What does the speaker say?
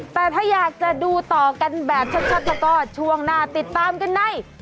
แต่ถ้าอยากจะดูต่อกันแบบชัดแล้วก็ช่วงหน้าติดตามกันใน